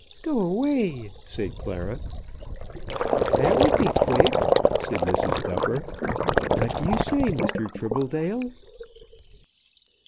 "Go away," said Clara. "That would be quick," said Mrs. Duffer. "What do you say, Mr. Tribbledale?"